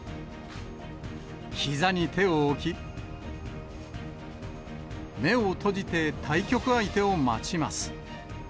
ひざに手を置き、目を閉じて対局相手を待ちます。